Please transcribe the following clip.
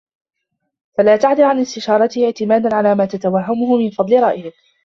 فَلَا تَعْدِلْ عَنْ اسْتِشَارَتِهِ اعْتِمَادًا عَلَى مَا تَتَوَهَّمُهُ مِنْ فَضْلِ رَأْيِك